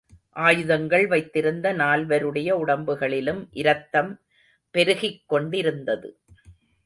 ஆயுதங்கள் வைத்திருந்த நால்வருடைய உடம்புகளிலும் இரத்தம் பெருகிக் கொண்டிருந்தது.